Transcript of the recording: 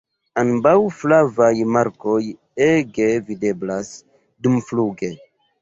Ambaŭ flavaj markoj ege videblas dumfluge.